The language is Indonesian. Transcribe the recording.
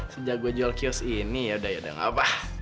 sejak gue jual kiosk ini yaudah yaudah gak apa